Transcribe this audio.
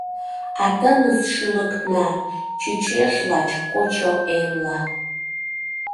А тыныс шӱлыкна Чучеш лач кочо эмла.